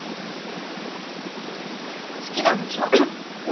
好きなんでしょ？